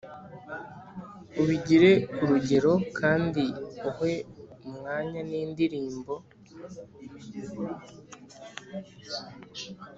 ubigire ku rugero, kandi uhe umwanya n’indirimbo.